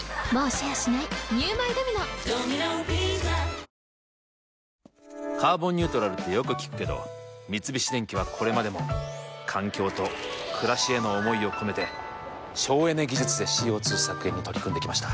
清々堂々清らかなる傑作「伊右衛門」「カーボンニュートラル」ってよく聞くけど三菱電機はこれまでも環境と暮らしへの思いを込めて省エネ技術でＣＯ２削減に取り組んできました。